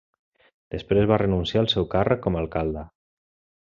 Després va renunciar al seu càrrec com a alcalde.